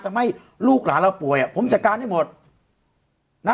ลูกหลานเราป่วยอ่ะผมจัดการให้หมดนะ